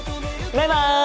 バイバイ。